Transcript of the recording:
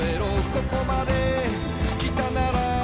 「ここまで来たなら」